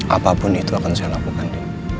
apapun itu akan saya lakukan